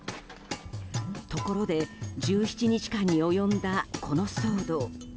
ところで、１７日間に及んだこの騒動。